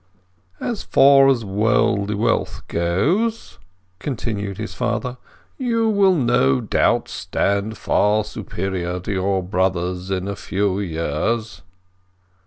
"As far as worldly wealth goes," continued his father, "you will no doubt stand far superior to your brothers in a few years."